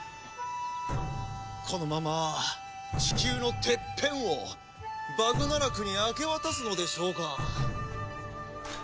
このままチキューのテッペンをバグナラクに明け渡すのでしょうか？